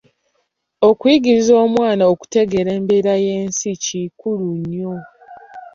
Okuyigiriza omwana okutegeera embeera y'ensi kikulu nnyo.